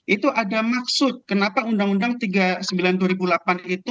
itu ada maksud kenapa undang undang tiga puluh sembilan dua ribu delapan itu